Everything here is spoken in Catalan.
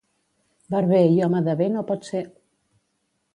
Barber i home de bé no pot ser.